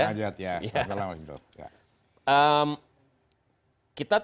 selamat malam pak sudrajat